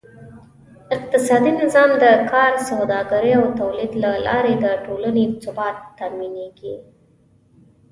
اقتصادي نظام: د کار، سوداګرۍ او تولید له لارې د ټولنې ثبات تأمینېږي.